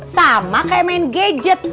sama kayak main gadget